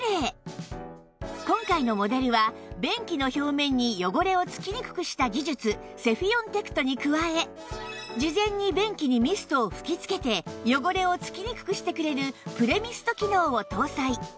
今回のモデルは便器の表面に汚れを付きにくくした技術セフィオンテクトに加え事前に便器にミストを吹き付けて汚れを付きにくくしてくれるプレミスト機能を搭載